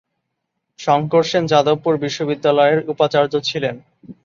শঙ্কর সেন যাদবপুর বিশ্ববিদ্যালয়ের উপাচার্য ছিলেন।